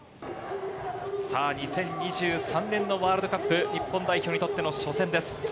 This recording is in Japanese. さあ、２０２３年のワールドカップ、日本代表にとっての初戦です。